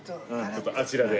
ちょっとあちらで。